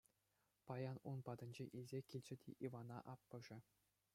Паян ун патӗнчен илсе килчӗ те Ивана аппӑшӗ.